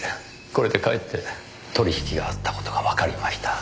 これでかえって取引があった事がわかりました。